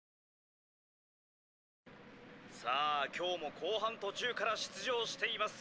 「さあ今日も後半途中から出場しています